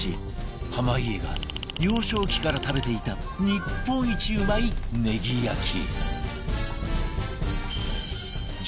濱家が幼少期から食べていた日本一うまいネギ焼き